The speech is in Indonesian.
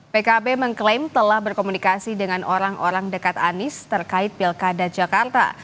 pkb mengklaim telah berkomunikasi dengan orang orang dekat anies terkait pilkada jakarta